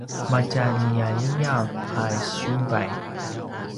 matjaliyaliyav a siyubay